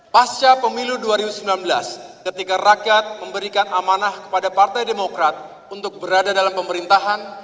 pasca pemilu dua ribu sembilan belas ketika rakyat memberikan amanah kepada partai demokrat untuk berada dalam pemerintahan